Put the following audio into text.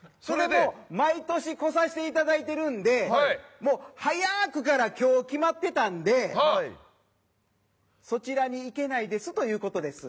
毎年来させていただいてるので早くから今日決まってたのでそちらに行けないですということです。